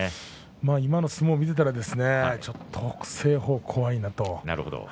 今の相撲を見ていたらちょっと北青鵬、怖いなと。